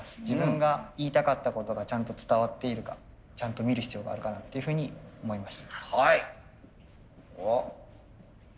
自分が言いたかったことがちゃんと伝わっているかちゃんと見る必要があるかなっていうふうに思いました。